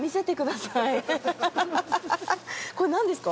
これ何ですか？